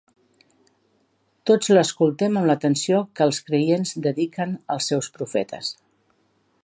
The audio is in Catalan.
Tots l'escoltem amb l'atenció que els creients dediquen als seus profetes.